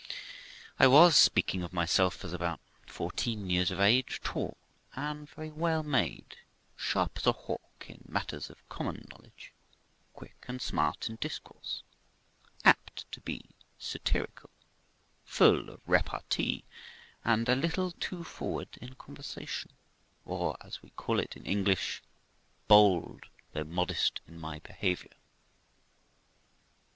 I was (speaking of myself at about fourteen years of age) tall, and very well made ; sharp as a hawk in matters of common knowledge ; quick and smart in discourse; apt to be satirical; full of repartee; and a little too forward in conversation, or, as we call it in English, bold, though perfectly modest in my behaviour.